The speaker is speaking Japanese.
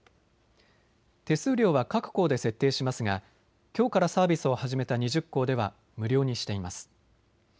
手数料は各行で設定しますがきょうからサービスを始めた２０行では無料にしています。